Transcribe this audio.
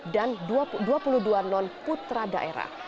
dan dua puluh dua non putra daerah